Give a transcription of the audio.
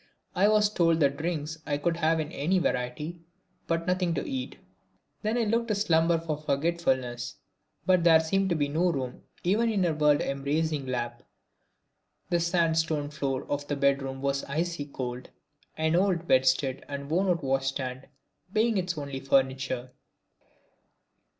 I was told that drinks I could have in any variety but nothing to eat. Then I looked to slumber for forgetfulness, but there seemed to be no room even in her world embracing lap. The sand stone floor of the bed room was icy cold, an old bedstead and worn out wash stand being its only furniture.